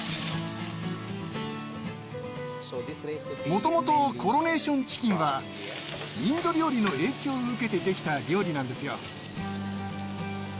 もともとコロネーションチキンはインド料理の影響を受けてできた料理なんですよ。